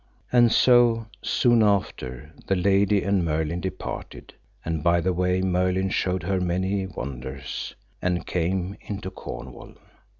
And so, soon after, the lady and Merlin departed, and by the way Merlin showed her many wonders, and came into Cornwall.